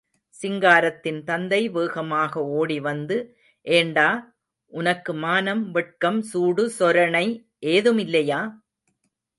சிங்காரத்தின் தந்தை வேகமாக ஓடி வந்து ஏண்டா, உனக்கு மானம் வெட்கம் சூடு சொரணை ஏதுமில்லையா!